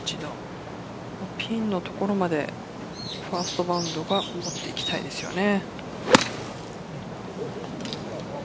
ピンの所までファーストバウンドが戻っていきたいですよね。